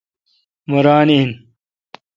مہ ران این ۔